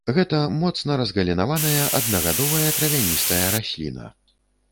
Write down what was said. Гэта моцна разгалінаваная, аднагадовая травяністая расліна.